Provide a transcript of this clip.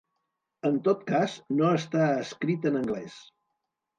En tot cas, no està escrit en anglès.